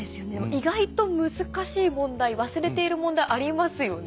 意外と難しい問題忘れている問題ありますよね。